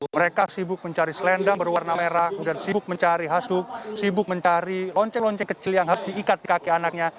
mereka sibuk mencari selendang berwarna merah kemudian sibuk mencari hasu sibuk mencari lonceng lonceng kecil yang harus diikat di kaki anaknya